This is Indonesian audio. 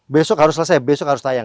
besok harus selesai besok harus tayang